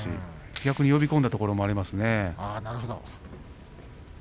逆に呼び込んだところもありますね。